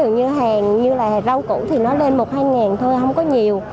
nó lên một hai ngàn thôi không có nhiều